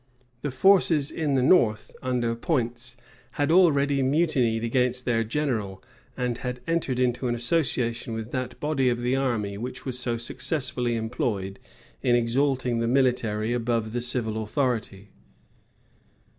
The forces in the north, under Pointz, had already mutinied against their general, and had entered into an association with that body of the army which was so successfully employed in exalting the military above the civil authority.